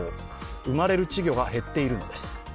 生まれる稚魚が減っているのです。